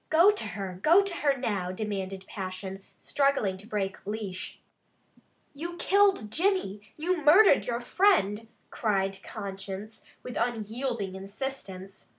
"Go to her! Go to her now!" demanded passion, struggling to break leash. "You killed Jimmy! You murdered your friend!" cried conscience, with unyielding insistence.